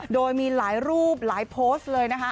โดยมีหลายรูปหลายโพสต์เลยนะคะ